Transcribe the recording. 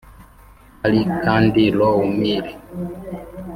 Hari kandi Raw Mill